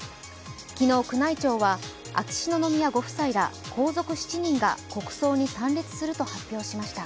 昨日宮内庁は、秋篠宮ご夫妻ら皇族７人が国葬に参列すると発表しました。